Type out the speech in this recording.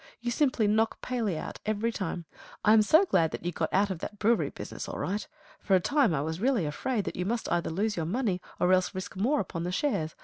You simply knock Paley out every time. I am so glad that you got out of that brewery business all right. For a time I was really afraid that you must either lose your money or else risk more upon the shares.